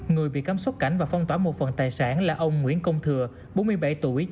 người bị cấm xuất cảnh và phong tỏa một phần tài sản là ông nguyễn công thừa bốn mươi bảy tuổi